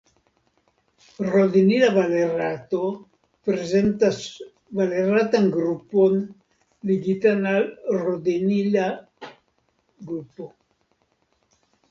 Rodinila valerato prezentas valeratan grupon ligitan al rodinila grupo.